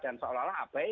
dan seolah olah abai